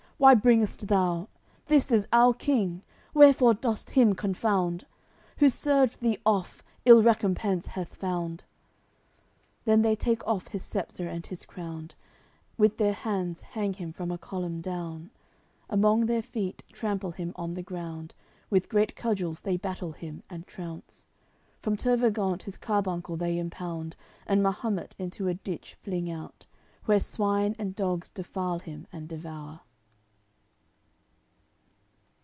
why bringest thou? This is our king; wherefore dost him confound? Who served thee oft, ill recompense hath found." Then they take off his sceptre and his crown, With their hands hang him from a column down, Among their feet trample him on the ground, With great cudgels they batter him and trounce. From Tervagant his carbuncle they impound, And Mahumet into a ditch fling out, Where swine and dogs defile him and devour.